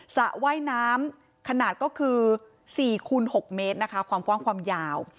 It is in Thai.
สระว่ายน้ำขนาดก็คือ๔คูณ๖เมตรนะคะความกว้างความยาว